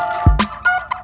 kau mau kemana